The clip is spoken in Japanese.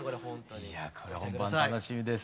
いやこれは本番楽しみです。